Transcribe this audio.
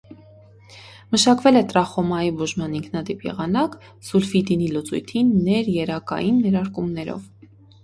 Մշակվել է տրախոմայի բուժման ինքնատիպ եղանակ՝ սուլֆիդինի լուծույթի ներերակային ներարկումներով։